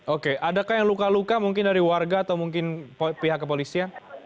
oke adakah yang luka luka mungkin dari warga atau mungkin pihak kepolisian